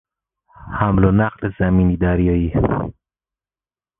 حمل و نقل زمینی دریایی